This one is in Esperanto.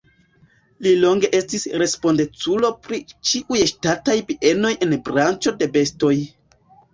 Li longe estis respondeculo pri ĉiuj ŝtataj bienoj en branĉo de bestoj.